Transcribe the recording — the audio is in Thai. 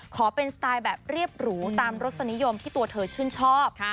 ขอเป็นสไตล์แบบเรียบหรูตามรสนิยมที่ตัวเธอชื่นชอบ